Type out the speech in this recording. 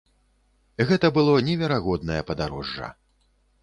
Гэта было неверагоднае падарожжа.